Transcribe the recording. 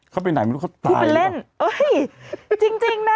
เขาไปไหนไม่รู้เขาตายหรือเปล่าพูดเป็นเล่นเอ้ยจริงจริงน่ะ